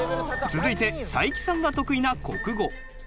続いて才木さんが得意な国語。